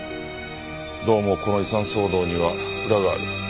どうもこの遺産騒動には裏がある。